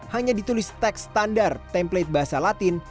hanya ditulis teks standar template bahasa latin